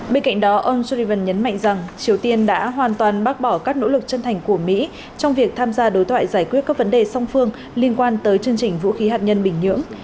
bên cạnh đó ông sullivan nhấn mạnh rằng triều tiên đã hoàn toàn bác bỏ các nỗ lực chân thành của mỹ trong việc tham gia đối thoại giải quyết các vấn đề song phương liên quan tới chương trình vũ khí hạt nhân bình nhưỡng